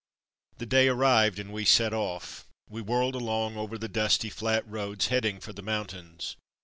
The day arrived, and we set off. We whirled along over the dusty, flat roads, heading for the mountains.